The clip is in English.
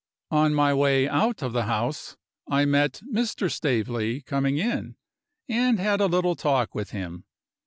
On my way out of the house, I met Mr. Staveley coming in, and had a little talk with him.